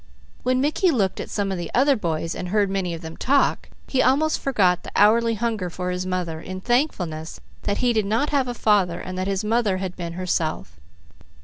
When Mickey looked at some of the other boys, and heard many of them talk, he almost forgot the hourly hunger for his mother, in thankfulness that he did not have a father and that his mother had been herself.